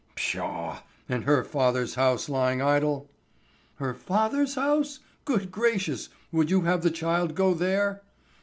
"Pshaw, and her father's house lying idle?" "Her father's house! Good gracious, would you have the child go there?"